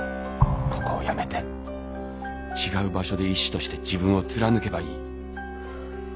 ここを辞めて違う場所で医師として自分を貫けばいい。